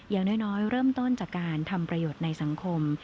อย่างน้อยเริ่มต้นจากการทำประโยชน์ในสังคม